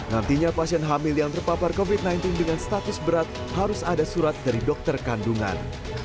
nantinya pasien hamil yang terpapar covid sembilan belas dengan status berat harus ada surat dari dokter kandungan